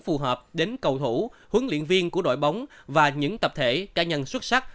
phù hợp đến cầu thủ huấn luyện viên của đội bóng và những tập thể cá nhân xuất sắc